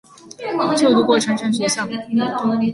就读过成城学校。